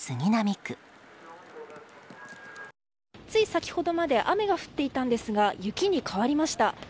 つい先ほどまで雨が降ったんですが雪に変わりました。